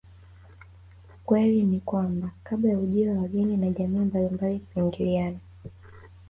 Ukweli ni kwamba kabla ya ujio wa wageni na jamii mbalilnmbali kuingiliana